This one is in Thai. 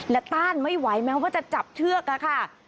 และต้านไม่ไหวแม้ว่าจะจับเชือกค่ะ